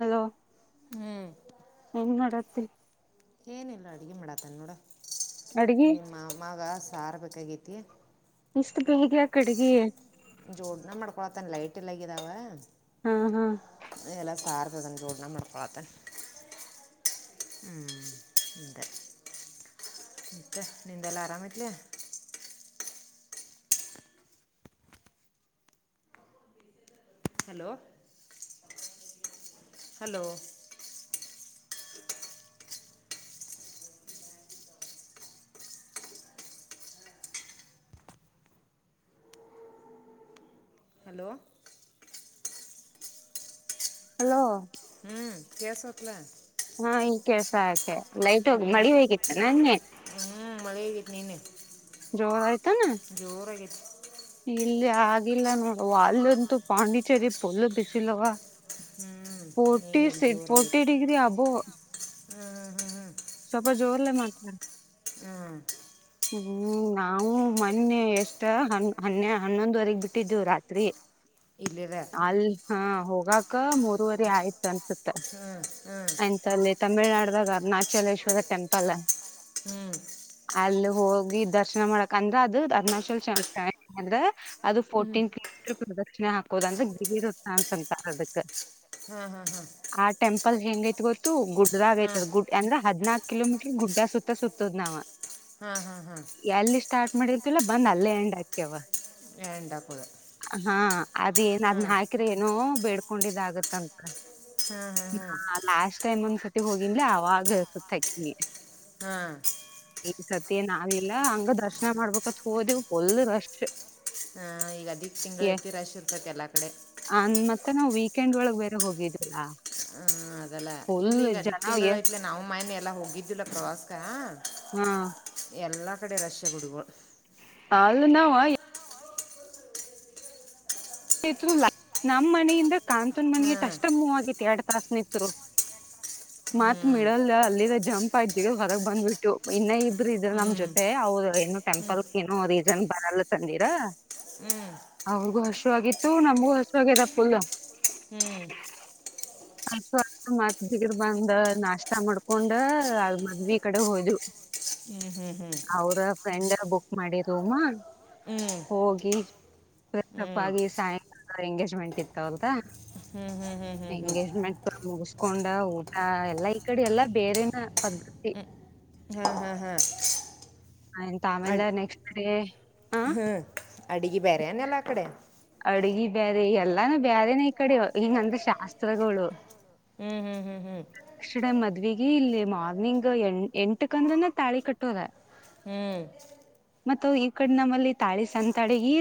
Hello ಹ್ಞೂ ಏನ್ಮಾಡತ್ತಿರಿ. ಏನಿಲ್ಲ ಅಡುಗೆ ಮಾಡಾತಾನ ನೋಡು ಅಡ್ಗಿ ನಿಮ್ಮ ಅಮ್ಮಗ ಸಾರು ಬೇಕಾಗೀತಿ. ಇಷ್ಟು ಬೇಗೆ ಯಾಕೆ ಅಡಿಗಿ. ಜೋಡಣ ಮಾಡ್ಕೋತಿನ್ಕ ಲೈಟ್ ಇಲ್ಲಆಗಿದವ. ಹಾ ಹಾ ಎಲ್ಲ ಸಥಾರ್ದನ್ನು ಅದನ್ನ ಜೋಡ್ನ ಮಾಡಕೋಳತೀನಿ. ಹ್ಮ್ ಅದೇ ಅದೇ ಮತ್ತೆ ನಿಂದೆಲ್ಲ ಆರಾಮ್ ಆಯ್ಲೆ. ಹಲೋ ಹಲೋ ಹಲೋ ಹಲೋ ಹ್ಮ್ ಕೇಳಸ್ತಿತೆ. ಹಾ ಈ ಕೆಲ್ಸ ಐತೆ. ರೇಂಜ್ ಹ್ಮ ಮಳೆ ಆಗೆತ ನಿನ್ನೀ ಜೋರ ಆಯತನ. ಜೋರಾಗಿತ್ತ ಇಲ್ಲಿ ಆಗ್ಲಿಲ್ಲ ನೋಡ ಒಲ್ಲಂತು ಪಾಂಡಿಚೇರಿ ಫುಲ್ ಬಿಸಲ್ಲವ. ಹ್ಞೂ forty C forty degree above ಹ್ಮ ಹ್ಮ ಹ್ಮ ಸ್ವಪ ಜೋರ್ಲ್ಲ ಮಾತ್ ಹ್ಮ. ಹ್ಮ ನಾವು ಮೊನ್ನೆ ಎಷ್ಟ ಹ ಹನ್ನೆ ಹನ್ನೊಂದವರೆಗ ಬಿಟ್ಟಿದ್ದೇವು ರಾತ್ರಿ. ಇಲ್ಲಿದ ಅಲ್ ಹ ಹೋಗಾಕ ಮೂರವರೆ ಆಯ್ತ ಅನ್ಸತ್ತ. ಹ್ಮ್ ಹ್ಮ್. ತಲ್ಲಿ ತಮಿಳ್ನಾಡದಾಗ ಅರುಣಾಚಲೇಶ್ವರ ಟೆಂಪಲ್. ಹ್ಮ. ಅಲ್ಲಿ ಹೋಗಿ ದರ್ಶನ ಮಾಡಕ ಅಂದ್ರ ಅದ ಹದ್ನಾ [unintelligible] ಅದು ಫೋರ್ಟೀನ್ ಪ್ರದಕ್ಷಿಣೆ ಹಾಕೋದ ಅಂದ್ರ ಗಿರಿರ್ತ ಅಂತಂತಾರ ಅದಕ್ ಹಾಂ ಹಾಂ ಹಾಂ ಆ ಟೆಂಪ ಪಲ್ ಹೆಂಗೈತ್ ಗೊತ್ತು ಗುಡ್ಡದಾಗ ಹಾಂ ಐತದ ಗುಡ್ ಅಂದ್ರ ಹದ್ನಾಕ್ ಕಿಲೋಮೀಟರ್ ಗಡ್ಡ ಸುತ್ತ ಸುತ್ತದ ನಾವ್. ಹಾ ಎಲ್ಲಿ ಸ್ಟಾರ್ಟ್ ಮಾಡರ್ತಿಲ್ಲ ಬಂದ ಅಲ್ಲೇ ಎಂಡ ಆಕ್ಯವ. ಎಂಡ್ ಅಗುದ. ಹಾ ಅದಏನ್ ಅದ್ನ ಹಾಕ್ರ ಏನೋ ಬೇಡ್ಕೊಂಡಿದ ಆಗತ್ತಂತ. ಹಾಂ ಹಾಂ ಹಾಂ ಹಾ ಲಾಸ್ಟ್ ಟೈಮ್ ಒಂದ್ಸತಿ ಹೋಗನ್ಲ ಅವಾಗ ಸುತ್ತ ಹಾಕಿನಿ. ಹಾ ಈ ಸತಿ ಏನ ಆಗ್ಲಿಲ್ಲ ಹಂಗ ದರ್ಶನ ಮಾಡ್ಬೇಕತ ಹೋದವು ಫುಲ್ ರಶ್. ಹ ಈಗ ಅದಿಕ ತಿಂಗಳ ಎ ಐತಿ ರಶ್ ಇರ್ತತಿ ಎಲ್ಲಾ ಕಡೆ. ಆ ಮತ್ತೆ ನಾವ ವೀಕೆಂಡ್ ಒಳಗ ಬೇರೆ ಹೋಗೆದಿಲ್ಲಾ. ಹ ಅದಲ್ಲ ಇಲ್ಲ ಈಗ ಅದಿಕ ತಿಂಗಳ ಎ ಐತ್ಲ ನಾವು ಮನ್ನಿ ಎಲ್ಲ ಹೋಗಿದ್ದಿಲ್ಲ ಪ್ರವಾಸಕ ಹಾ ಎಲ್ಲ ಕಡೆ ರಷ ಗುಡಿಗೋಳ. ಅಲ್ಲ ನಾವ ನಮ್ ಮನೀಯಿಂದ ಕಾಂತೂನ ಮನೀ ಅಟ್ಟ ಹಾಂ ಅಷ್ಟ ಮೂವ್ ಆಗೈತಿ ಎರಡ್ ತಾಸ ನಿತ್ರು. [inaudible] ಮತ್ ಮಿಡಲ್ ಅಲ್ಲಿದ ಜಂಪ್ ಆಗ ಜಿಗದ ಹೊರಗ ಬಂದ್ಬಿಟ್ಟು ಇನ್ನ ಇಬ್ಬರ ಇದ್ರ ನಮ್ ಜ ಹ್ಞೂ ಅವ್ರ ಏನೋ ಟೆಂಪಲ್ ಏನೋ ರೀಜನ್ ಬರಲ್ಲ ಅಂತ ಅಂದಿರ. [inaudible] ಅವ್ರಿಗೂ ಹಸು ಆಗಿತ್ತು ನಮಗೂ ಹಸವ ಆಗ್ಯದ ಫುಲ್ಲ. [inaudible] ಅಷ್ಟೊತ್ತಿಗ ಮತ್ತ ಜಿಗದ ಬಂದ ನಾಷ್ಟ ಮಾಡ್ಕೊಂಡ ಅಲ ಮದ್ವಿ ಕಡೆ ಹೋದು. [inaudible] ಹ್ಮ ಹ್ಮ ಹ್ಮ. ಅವರ ಫ್ರೆಂಡ ಬುಕ್ ಮಾಡಿರ ರೂಮ. ಹೋಗಿ ಫ್ರೆ ಅಪ್ಪಾಗಿ ಸಾಯಂಕಾಲ ಎಂಗೇಜ್ಮೆಂಟ್ ಇತ್ತ ಅವರದ ಹ ಹ್ಮ ಹ್ಮ ಎಂಗೇಜ್ಮೆಂಟ್ ಮುಗಸ್ಕೊಂಡ ಊಟ ಎಲ್ಲ ಈ ಕಡೆ ಎಲ್ಲಾ ಬೇರೆನ ಪದ್ದತಿ ಹ್ಮ್ ಹಾ ಹಾ ಆಯ್ತು ಆಮೇಲೆ ನೆಕ್ಸ್ಟ್ ಡೇ ಹಾ. ಅಡಿ ಬೇರೆ ಅಲೆನ್ ಅ ಕಡೆ ಅಡುಗಿ ಬೇರೆ ಎಲ್ಲಾನು ಬೇರೆನೆ ಈ ಕಡೆ ಇಂಗ್ ಅಂದ್ರೆ ಶಾಸ್ತ್ರಗಳು ಹ್ಮ್ ಹ್ಮ್ ಹ್ಮ್ ನೆಕ್ಸ್ಟ್ ಟೈಮ್ ಮದ್ಗ ಇಲ್ಲಿ ಮಾರ್ನಿಂಗ್ ಎ ಎಂಟಕ ಅಂದ್ರನ ತಾಳಿ ಕಟ್ಟೋದ ಹ್ಮ್ ಮತ್ತ ಈ ಕಡೆ ನಮ್ಮಲ್ಲಿ ತಾಳಿ ಸಂತಾಳಿ ಈ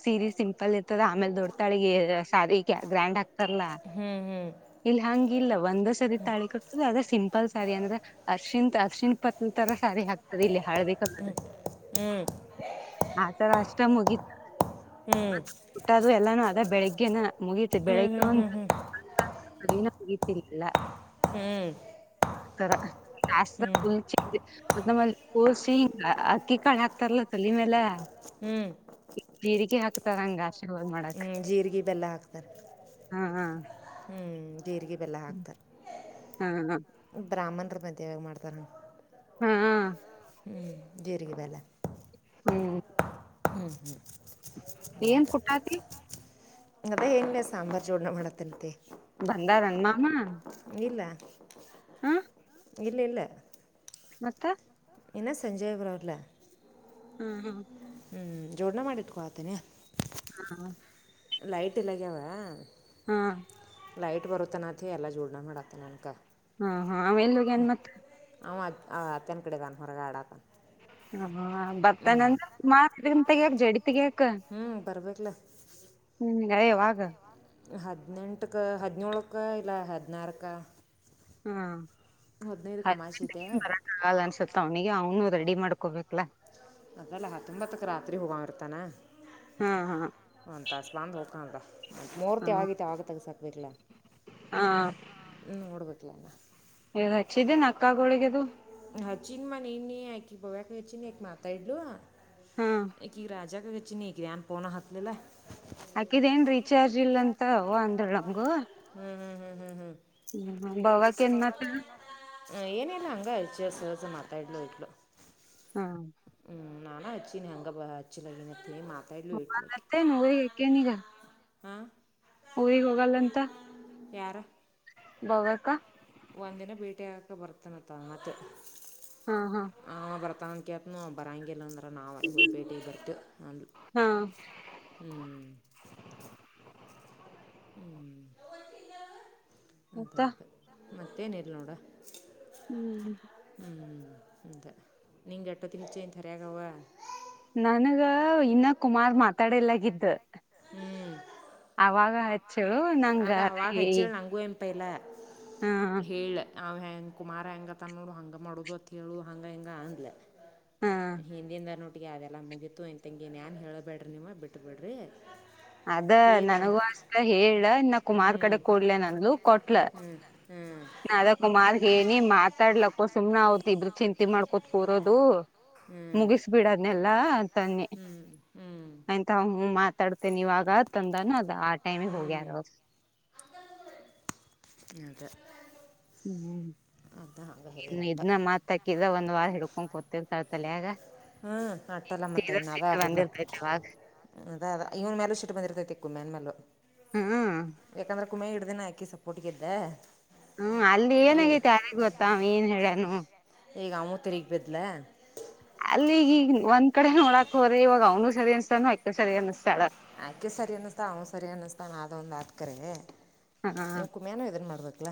ಸೀರೆ ಸಿಂ. ಲ್ಲಿ ಇರ್ತದ ಆಮೇಲೆ ದೊಡ್ಡಾಳಿಗೆ ಸಾರಿ ಗ್ರ್ಯಾಂಡ್ ಆಗ್ತಾರಲ್ಲಾ ಹ್ಮ್ ಹ್ಮ್ ಇಲ್ ಹಂಗ ಇಲ್ಲ ಒಂದ ಸರಿ ತಾಳಿ ಕೊಟ್ಟದ ಅದ ಸಿಂಪಲ್ ಸಾರಿ ಅಂದ್ರ ಅರ್ಶಿಂತ್ ಅರ್ಶಿ ಪ್ಪತ್ತರ ಸಾರಿ ಆಗ್ಕ್ತದೆ ಇಲ್ಲಿ ಹಾಳ್ಬೇಕ. ಹ್ಮ್ ಹ್ಮ್ [inaudible] [unintelligible] ಆಥರ ಅಷ್ಟ ಮುಗಿತ್ತು ಹ್ಞೂ ಹ್ಞೂ ಹ್ಞೂ ಮತ್ತ ಹ್ಞೂ ಊಟದು ಎಲ್ಲಾನು ಅದ ಬೆಳಿಗ್ಗೆ ಮುಗೀತು ಬೆಳಗ್ಗೆ ಹ್ಞೂ ಹ್ಞೂ ಒಂದು ಹ್ಞೂ ಅನು ಬಗತಿಿಲ್ಲ [inaudible] ಹ್ಮ [inaudible] ರ [inaudible] ಮ ಕೋಸಿ ಹಿಂಗ ಅಕ್ಕಿ ಕಾಳ ಹಾಕ್ತಾರಲತ್ತಲ್ ತಲೆ ಈ ಮೇಲೆ [inaudible] ಹ್ಮ್ ಜೀರಿಗೆ ಹಾಕುತ್ತಾರ ಹಂಗ ಆಶೀರ್ವಾದ ಮಾಡಕ್ಕ ಹ್ಮ್ ಜೀರಿಗೆ ಬೆಲ್ಲ ಹಾಕ್ತಾರಾ ಹಾ [unintelligible] ಹ್ಮ್ ಜೀರಿಗೆ ಬೆಲ್ಲ ಹಾಕ್ತಾರಾ ಹ್ಮ ಬ್ರಾಹ್ಮಣರು ಮದುವೆವ್ಯಾಗ ಮಾಡುತ್ತಾರೆ ಹಾ ಹಾ. ಜೀರಿಗೆ ಬೆಲ್ಲ ಹ್ಮ್ ಹ್ಮ ಹ್ಮ ಏನ್ ಕುಟತಿ ಅದೇ ಲ್ಲ ಸಾಂಬಾರ್ ಚೂಡಣ ವಳತ್ತನತ್ತ ಬಂದಾರನ್ ಮಾಮಾ ಇಲ್ಲ [inaudible] ಇಲ್ಲ ಇಲ್ಲ ಮತ್ತೆ. ಏನಾ ಸಂಂಜಯ್ರರಲ್ಲ ಹಾ ಹು ಹ್ಮ್ ಜೋಡಣ ಮಾಡಿಟ್ಕೋತನಯ.. ಹಾ ಲೈಟ್ ಇ ಲಗಾವ ಹಾ ಲೈಟ್ ಬರತ್ತನಥ ಎಲ್ಲಾ ಚೂರ್ಣ ಮಾಡತ್ತನ ಅನ್ಕಅದಕ ಹಾ ಹಾ ಅವೆಲ್ಲಗ ಏನ್ ಮತ್ ಆವ ಅತ್ತನ್ ಕಡೆದಾನ ಹೊರಗ ಆಡಾತ ಹ ಬರ್ತನಂದ ಮಾತ್ರಿ ತಗ್ಯಾಕ್ ಜಡಿತಿಗ್ಯಾಕ ಹ್ಮ್ ಬರ್ಬೇಕಲ. ಹ್ಮ್ ಯಾವಾಗ. ಹದಿನೆಂಟಕ್ಕೆ ಹದಿನೇಳಕ ಇಲ್ಲ ಹದಿನಾರಕಾ. ಹಾ. ಕಮಾಶಿ [unintelligible] ಐತೆ ಹಾಲ್ ಅನ್ಸುತ್ತ ಅವ್ನಿಗೆ ಅವನು ರೆಡಿ ಮಾಡ್ಕೋಬೇಕಲಾ. ಅದಲ್ಲ ಹತ್ತೊಂಬತ್ತಕ ರಾತ್ರಿ ಹೋಗಂಗ ಇರ್ತಾನ. ಹಾ ಹಾ ಅಂತ ಒಂದು ತಾಸ್ ಬಂದು ಹೋಗ್ತಾನಲ್ಲ ಹಾ ಮೂರ್ತಿ ಆಗೈತಿ ಆಗತ್ತಾಗ ತಗಸಕ್ಬೇಕಲ್ಲ. ಹಾ. ಹ್ಮ ನೋಡಬೇಕಲ್ಲ. ಹಚ್ಚಿದೇನು ಅಕ್ಕ ಗಳಿಗೆ ಅದು. ಹ್ಮ್ ಅಚ್ಚಿದ್ನಮ್ಮ ನಿನ್ನೆ ಅಕ್ಕಿ ಭವ್ಯಕ್ಕ ಹಚ್ಚಿದ್ನ ಅಕ್ಕಿ ಮಾತಾಡ್ಲು. ಹ್ಹಾ. ಈಕಿ ರಾಜಾ ಗು ಅಚ್ಚಿನಿ ಏನ್ ಪೋಣ ಹತ್ಲಿಲ್ಲ. ಹಾಕಿದ್ ಏನ್ ರೀಚಾರ್ಜ್ ಇಲ್ಲ ಅಂತ ಅವ್ವ ಅಂತ ಅಂದ್ಳು ನಮ್ಗು. ಹ್ಮ್ ಹ್ಮ್ ಹ್ಮ್ ಹ್ಮ್ ಹ್ಮ್ ಹ್ಮ ಅವಾಗಿಂದ ಅಂತ್ರ [unintelligible] ಹ ಏನಿಲ್ಲ ಹಂಗ [unintelligible] ಮಾತಾಡಿದಳು ಇಟ್ಲು. ಹ್ಮ್. ಹ್ಮ್ ನಾನಾ ಹಚಿ ನೀ ಅಂಗ ಅಚ್ಚನ ಮಾ ಹ ಬತ್ತೆನು ಅಕೆನ್ ಈಗ [unintelligible] ಹ್ಹಾ. ಊರಿಗ್ ಹೋಗಲ್ಲಂತ ಯಾರ ಭವ್ಯಕ್ಕ ಒಂದಿನ ಬೀಟಿಗೆಕ ಹಾಕೊ ಬರ್ತಾನಂತ ಆತು. [inaudible] ಹಾ ಹಾ ಅವ ಬರ್ತಾನಂತ ಕೇಳ್ತೀನಿ ಅವಾ ಬರಂಗಿಲ್ಲ ಅಂದ. ನಾವಲ್ಲಿ ಹಿ ಭೇಟಿ ಆಗಿ ಬಂದವು ಆ ಹಾ ಹ್ಮ್ ಹ್ಮ್ ಅದ ಮತ್ತ ಅದೇ ಮತ್ತೇನಿಲ್ಲ ನೋಡ. [inaudible] ಹ್ಮ್ ಹದ ನಿಂಗೆ ಎಟ್ಟೋತಿಗೆ ಅಚೆನವ [unintelligible] ನನಗ ಇನ್ನ ಕುಮಾರ ಮಾತಾಡಲಾಗಿತ್ತ. ಹ್ಮ್ ಅವಾಗ ಅಚ್ ಆಗ ಅವಾಗ ಹಚ್ಚೇಳ ನಂಗೂ ಎಂಪಹಲ ಹಾ ಇಲ್ಲ ಹೇಳ. ಅವ ಹೆಂಗ ಕುಮಾರ ಹೆಂಗ ತನ್ನೋ ಹಂಗ ಮಾಡೋದು ಅತ್ ಹೇಳೋ ಹಂಗ ಹೆಂಗ ಅಂದ್ಲ. ಹಾ ಹಿಂದಿದ [unintelligible] ಒಟ್ಟಿಗೆ ಅದೆಲ್ಲ ಮುಗೀತು ನಿಮ್ ತಂಗಿದು ಏನ್ ನ ಹೇಳಬೇಡ್ರಿ ನೀವ್ ಬಿಟ್ಬಿಡ್ರಿ. ಅದ ನನಗೂ ಅಷ್ಟ ಹೇಳ ಇನ್ನ ಕುಮಾರ್ ಕಡೆ ಕೊಡ್ಲ ಅಂದುಲು ಕೊಟ್ಲ. ಹ್ಮ್ ಹ್ಮ್ ಅದ ಕುಮಾರ್ ಏಳಿನಿ ಮಾತಾಡ್ಲಕ್ಕ ಸುಮ್ನೆ ಅವ್ರ ಇಬ್ರು ಚಿಂತೆ ಮಾಡ್ಕೋತ್ ಕೂರೋದು. ಮುಗಿಸಬಿಡದ್ನೆಲ್ಲಾ ಅಂತ ಅಂದ್ನಿ. ಹ್ಮ್ ಹ್ಮ್. ಆಯ್ತು ಅಂಗು ಮಾತಾಡ್ತೆೇನೆ ಇವಾಗ ಅಂತಂದನ ಅ. ಹ್ಮ್ ಅದ. ಅದ ಹಂಗೆ ಹ್ಮ್ ಹೇಳಿದಟ್ಟ ಇದ್ನ ಮತ್ತ ಅಕಿದ ಒಂದ್ ವಾರ ಹಿಡ್ಕೊಂಡ್ ಕುತಿರುತಾಳ ತಲ್ಯಗ ಹ್ಮ್ ಅಟಲ್ಲ ಮತ್ತ ಇನ ಅದೇ ಆಗೋದಲ್ಲಾ. ಬಂದಿರ್ತೈತಿ ಅವಾಗ ಅದ ಅದ ಇವನ್ ಮೇಲೆ ಸಿಟ್ ಬಂದಿರ್ತೈತಿಕ್ಕು ಕುಮಿನ್ ಮೆನ್ ಮೇಲೆ ಹ್ಮ್ ಯಾಕಂದ್ರೆ. ಕುಮ್ಮೆ ಹಿಡ್ದೇನೆ ಹಾಕಿ ಸಪೋರ್ಟ್ಗೆದ್ದೆ. ಹ್ಮ್ ಅಲ್ಲಿ ಏನಗೈತಿ ಯಾರಗ್ ಗೊತ್ತಾ ಅವನು ಏನ್ ಹೇಳ್ಯನು. ಈಗ ಅವನು ತಿರುಗಿಬಿದ್ಲೇ. ಅಲ್ಲಿ ಈಗ ಈಗ ಒಂದ್ ಕಡೆ ನೋಡಾಕ್ ಹೋರೆ ಇವಾಗ ಅವ್ನು ಸರಿ ಅನ್ನಸ್ತಾಳ ಅಕಿ ಸರಿ ಅನ್ನ್ತಾಳ. ಆಕೆ ಸರಿ ಅನ್ನಿಸ್ತಾ ಅವನು ಸರಿ ಅನ್ನಿಸ್ತಾನಾನ ಅ ಒಂದು ಆಟ್ಕರೆ. ಹಾ. ಮೇನ್ ಇದನ್ನ ಮಾಡಬೇಕಲ್ಲ.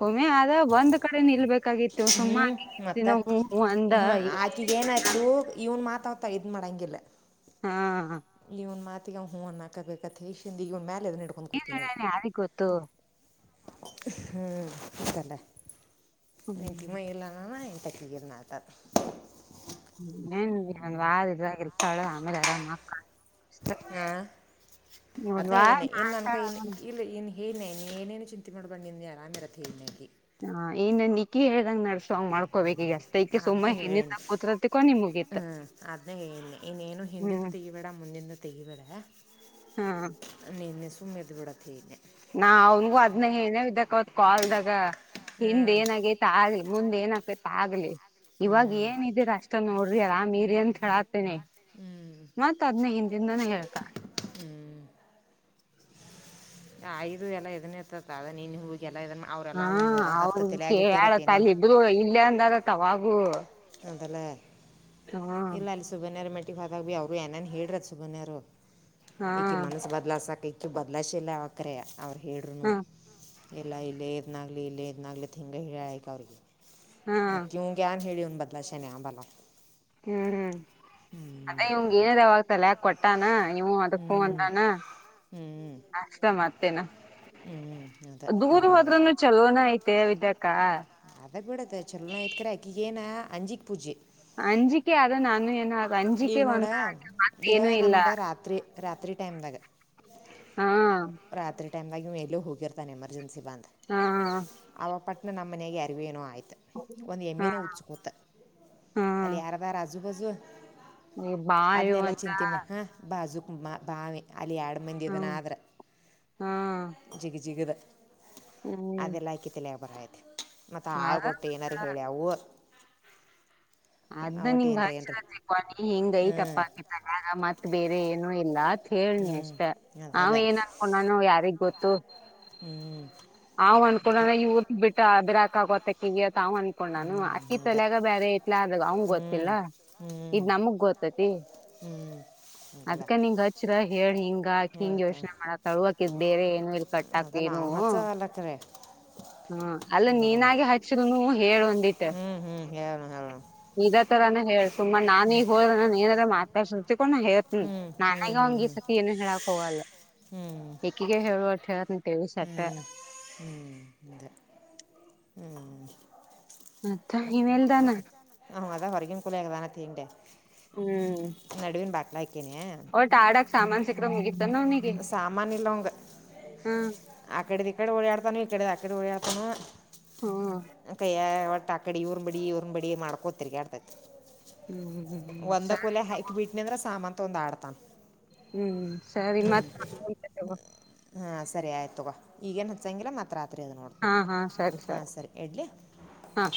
ಕುಮ್ಮಿ ಅದೇ ಒಂದ್ ಕಡೆ ನಿಲ್ಬೇಕಾಗಿತ್ತು ಸುಮ್ಮ ಹ್ಞೂ ಆಕೆಗೆ ಎಷ್ಟು ದಿನ ಹು ಹು ಅಂದ. ಈಗ ಏನಾಯಯ್ತು ಇವನ್ ಮಾತ ಅವನು ಇದು ಮಾಡಂಗಿಲ್ಲ. ಹಾ ಇವ್ನ್ ಮಾತಿಗ ಅವ್ ಹು ಅನ್ನಕಾಗುತ್ತ ಈಗ ಮೇಲೆ ಅದು ಇಡ್ಕೊಂಡು. ಏನ್ ಹೇಳ ಯಾರಿಗೆ ಗೊತ್ತು. [inaudible] ಹ್ಮ್ [unintelligible] ಏನ್ ಇನ್ನೊಂದು ವಾರ ಇದ್ರ ಇರ್ತಾಳ ಆಮೇಲೆ ಆರಾಮ್ ಅಕ್ಕ. ಹಾ ಅದ ಒಂದ್ ವಾರ ಏನ ಇನ್ ನನ್ನ ಮಾಡ್ತಾಳ ಕೈ ಇನ್ ಇಲ್ಲಿ ಇನ್ ಏನೆೇ ನೀ ಏನೇನು ಚಿಂತೆ ಮಾಡಿ ಬಂದಿದ್ದಿ ಆರಾಮ ಇರತ್ತ ಅಂದ್ಲು ಆಕಿ. ಹಾ ಇನ್ನ ನಿಖಿ ಹೇಳ್ದಂಗ್ ನಡ್ಸವಂಗ ಮಾಡ್ಕ. ಕೋಬೇಕ ಜಾಸ್ತ ಈಕ ಅದನ್ನೇ ಸುಮನಿಂದ ಹೇಳೇನಿ ಕೂತ್ರಕಾ ಮುಗಿತ್ತು. ಹ್ಞೂ ಅದನ್ನೇ ಹೇಳಿನಿ ಇನ್ನೇನು ಹಿಂದಿಂದು ತೆಗಿಬೇಡ ಮುಂದಿಂದು ತೆಗಿಬೇಡ. ಹಾ ನೀ ಸುಮ್ಮೆ ಇದ್ದು ಬಿಡು ಆತಗ್ಗೆ. ನಾ ಅವನ್ಗೂ ಅದ್ ಏನ ಇದ್ದಕ ಅವತ್ ಕಾಲ್ದಾಗ ಹ್ಞೂ ಹಿಂದ ಏನ್ ಆಗೇತಿ. ಆಗ್ಲಿ ಮುಂದ್ ಏನ್ ಆಕ್ತತ್ ಆಗ್ಲಿ ಹ್ಞೂ ಇವಾಗ ಏನ್ ಇದದೀರ ಅಷ್ಟ ನೋಡ್ರಿ ಆರಾಮ್ ಇರಿ ಅಂತ ಹೇಳಕತೀನಿ. ಹ್ಞೂ ಮತ್ ಅದ್ನ ಹಿಂದಿಂದಾನೇ ಹೇಳ್ತ. ಹ್ಮ್ ಅದು ಎಲ್ಲ ಇದನ್ನ ಇರ್ತತ್ದ ನೀನ್ ಹೂಗೆಲ್ಲಾ ಇದನ್ನ. ಹಾ ಅವ್ರ ಹೇಳತ್ತ ಏನೇನು ಅಲ್ಲಿ ಇಬರು ಇಲ್ಲೇ ಅಂದರತ್ತವಾಗು. [unintelligible] ಇಲ್ಲ ಅಲ್ಲಿ ಸುಬನ್ಯರ ಮೆಟಿ ಹೊದಾಗ ಅವರು ಏನೇನ್ ಹೇಳರ ಸುಬನನ್ರರು ಹಾ ಈಕಿ ಮನಸ್ ಬದಲ ಸಾಕಿ ಈಕಿ ಬದಲಾಯಿಸಿಲ್ಲ ಅವಕ್ರೆ ಅವ್ರು ಹೇಳ್ರುನು. ಹಾ ಎಲ್ಲ ಇಲ್ಲ ಇದನಾಗ್ಲಿ ಇಲ್ಲ ಇದದನಾಗ್ಲಿ ಹಿಂಗೆ ಹೇಳಯಕಿ ಅವ್ರಿಗೆ. ಹಾ ಮತ್ತ ಇವ್ಗೆ ಏನ್ ಹೇಳಿವನ್ ಬದ್ಲಸಾನಿ ಆಗಲ್ಲ. ಹ್ಮ್ ಹ್ಮ್ ಅದೇ ಇವನಿಗೆ ಹೇಳಿ ತಲೆಯಾಗ ಕೊಟ್ಟಾನ ಇವನು ಅದಕ್ಕ ಹು ಅಂದಾನ. ಹ್ಮ್ ಅಷ್ಟ ಮತ್ತೇನಾ. ಹ್ಮ್ ಅದೇ ಹಂಗೆ. ಎಲ್ಲದ್ರನು ಚಲೋನೆ ಐತೆ ವಿದ್ಯಾಅಕ್ಕ. ಅದ ಬಿಡದ ಚೊಲೋನತ್ಕ್ರ ಅಕ್ಕಿಗೆ ಏನ ಅಂಜಿಕ್ ಪೂಜೆ. ಅಂಜಿಕೆ ಆದ ನಾನು ಏನ ಈಗ ಅಂಜಿಕೆ ನೋಡ ಒಂದ ಮತ್ತ ಈಗ ಏನು ಇಲ್ಲ ನಮ್ಗ ರಾತ್ರಿ. ರಾತ್ರಿ ಟೈಮ್ದಾಗ ಹಾ ರಾತ್ರಿ ಟೈಮದಾಗ ಎಲ್ಲ ಹೋಗಿರ್ತಾನೆ ಎಮರ್ಜೆನ್ಸಿ. ಬಂದು ಹಾ ಅವಪ್ಪಟ್ನ ನಮ್ಮ ಮನೆಗೆ ಯಾರಿಗೋ ಏನೋ ಆಯ್ತು. ಒಂದು ಹಾ ಎಮ್ಮಿನೆ ಉಚ್ಕೊತ ಹಾ ಅಲ್ಲಿ ಯಾರದಾರ ಹಸು ಪಾಸು. ಈ ಬಾಯು ಅದ್ನೆಲ್ಲ ಅಂತ ಚಿಂತಿಮ್ಮ ಹಾ ಬಾಜುಕ್ ಬಾವಿ ಅಲ್ಲಿ ಎರಡು ಮಂದಿ ಹ್ಮ ಇದನ ಆದ್ರ ಹಾ ಜಿಗ ಜಿಗದ ಹ್ಮ್ ಅದೆಲ್ಲಯಕಿತಿ ಲಬರ ಆಯತೆ ಮತ್ತ ಹಾಳ್ ಅದ ಕೊಟ್ಟು ಏನಾರ ಹೇಳಿ ಅವು ಅದ ನಿಂಗ ಭಾ ಚತ್ರಿ ಕವಾಣಿ ಹಿಂಗೈ ಹ್ಞೂ ತಪ್ಪ ಆಕತ್ತಲ್ ಆಗ ಮತ್ ಬೇರೆ ಏನು ಇಲ್ಲ ಅಂತ ಹೇಳ್ ನಿ ಅಷ್ಟ ಹ್ಞೂ ಅವ ಅದೆಲ್ಲ ಏನ್ ಅನ್ಕೊಂಡಾನ ಯಾರಿಗ್ ಗೊತ್ತು ಹ್ಮ್ ಅವ್ ಅನ್ಕೊಂಡಾನ ಇವರು ಬಿಟ್ಟ ಬಿರಾಕ ಆಗೋತ್ತ ಅಕ್ಕಿಗ ಅವ್ ಹ್ಞೂ ಅನ್ಕೊಂಡಾನು ಅಕಿ ಹಿಂದೆ ತಲಯಾಗ ಬೇರೆ ಇಲ ಆದಾಗ ಅವಂಗ ಹ್ಞೂ ಗೊತ್ತಿಲ್ಲ ಹ್ಞೂ ಇದ್ ನಮಗ್ ಗೊತ್ತೈತಿ ್ಮ ಎಂತಲ್ಲ ಈ ನಿಂಗ ಹಚ್ಚರ ಹೇಳಿ ಹಿಂಗಾಕ ಹಿಂಗ್ ಯೋಚನೆ ಮಾಡಕತಾಳು ಅಕಿದ್ ಬೇರೆ ಏನು ಇಲ್ ಕಟ್ಟಾಕ್ ಏನು ಕಲಕ್ಕ್ರ [unintelligible] ಹಾ ಅಲ್ಲ ನೀನಾಗೆ ಹಚ್ಚಿದನು ಹೇಳ ಒಂದಿತ್ತು ಹ್ಮ್ ಹ್ಮ್ ಹೇಳುಣ ಹೇಳುಣ ಇದ ತರಾನ ಹೇಳ್ ಸುಮ್ಮಾ ನಾನ್ ಈಗ ಹೋದ ನ ಏನಲ್ಲ ಮಾತಾಡ್ಸಿರ್ಕೊಂಡು ಹ ಹ್ಮ್ ಹ್ಞೂ ಹ್ಞೂ ನನಾಗ ಹ್ಞೂ ಅವಂಗ ಈ ಹ್ಞೂ ಸತಿ ಏನು ಹೇಳಾಕ್ ಹೋಗಲ್ಲ ಹ್ಞೂ ಈಗ ಹೇಳುವಷ್ಟ್ ಹೇಳೇಂತೇವಿ ಸಟ್ಟ [unintelligible] ಹ್ಮ್ ಅದ ಹ್ಮ್ಮ್ ಮತ್ತ ಇಮೇಲ್ದಾನ ಹ್ ಅದ ಹೊರಗಿನ ಕೂ ಗದಾನತೀಂಡ [unintelligible] ಹ್ಮ್ ನಡುವಿನ ಬಾಕ್ಲ್ ಹಾಕನಿ ಒಟ್ ಆಡಕ್ ಸಾಮಾನ್ ಸಿಕ್ಕ್ರ ಮುಗಿತನ ಸಾಮಾನ ಇಲ್ಲ ಅವಂಗ ಹ್ಮ ಅಕಡೆದ ಇಕಡೆ ಓಡಾಡ್ತಾನು ಇಕಡೆದು ಅಕಡೆ ಓಡಾಡ್ತಾನು ಹ್ಮ ಕೈಯ ಒಟ್ಟ ಆ ಕಡಿ ಇವ್ರ್ ಬಡಿ ಇವ್ರ್ ಬಡಿ ಮಾಡ್ಕೊ ತಿರುಗಾಡ್ತೈತಿ ಹ್ಮ್ ಹ್ಮ್ ಹ್ಮ್ ಒಂದ ಸರಿ ಕೊಲೆ ಹಾಕ್ ಬಿಟ್ಟನ ಅಂದ್ರ ಸಾಮಾನ್ ತಗೊಂಡ್ ಆಡ್ತಾನ ಹ್ಮ್ ಸರಿ ಮತ್ತ ಹಾಂ ಸರಿ ಆಯ್ತು ತಗೋ ಈಗೇನು ಹಚ್ಚಂಗಿಲ್ಲ ಮತ್ ರಾತ್ರಿ ಅದು ನೋಡ್ತೀ ಹಾ ಹಾ ಸರಿ ಹಾಂ ಸರಿ ಇಡಲಿ ಹಾ